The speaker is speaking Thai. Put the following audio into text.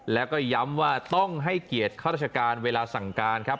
แล้วก็ย้ำว่าต้องให้เกียรติข้าราชการเวลาสั่งการครับ